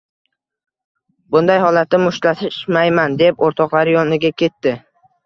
Bunday holatda mushtlashmayman, – deb oʻrtoqlari yoniga ketdi.